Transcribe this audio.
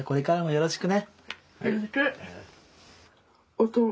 よろしく。